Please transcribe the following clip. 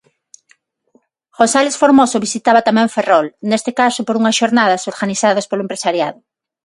González Formoso visitaba tamén Ferrol, neste caso por unhas xornadas organizadas polo empresariado.